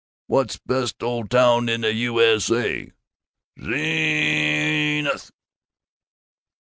"What's best ole town in the U. S. A.?" "Zeeeeeen ith!"